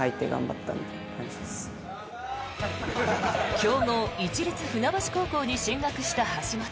強豪・市立船橋高校に進学した橋本。